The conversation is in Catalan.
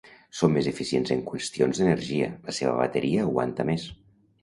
Són més eficients en qüestions d'energia; la seva bateria aguanta més.